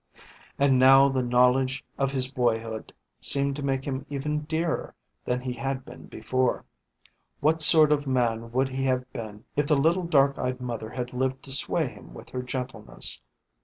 And now the knowledge of his boyhood seemed to make him even dearer than he had been before. What sort of man would he have been if the little dark eyed mother had lived to sway him with her gentleness?